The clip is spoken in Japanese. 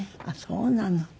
あっそうなの。